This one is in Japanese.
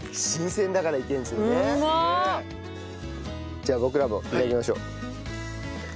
じゃあ僕らも頂きましょう。